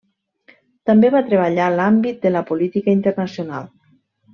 També va treballar l'àmbit de la política internacional.